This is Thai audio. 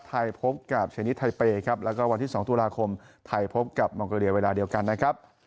ไทยพบกับชนิดไทเปย์ครับแล้วก็วันที่๒ตุลาคมไทยพบกับมองโกเลียเวลาเดียวกันนะครับ